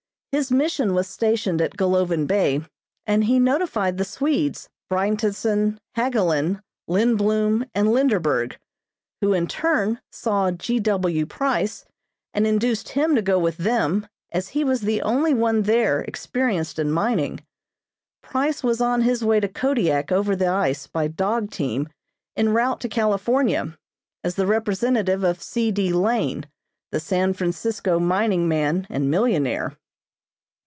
His mission was stationed at Golovin Bay, and he notified the Swedes, Brynteson, Hagalin, Lindbloom and Linderberg, who in turn saw G. W. Price and induced him to go with them, as he was the only one there experienced in mining. Price was on his way to Kodiak over the ice by dog team en route to California, as the representative of C. D. Lane, the San Francisco mining man and millionaire.